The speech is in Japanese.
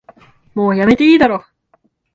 もうやめていいだろ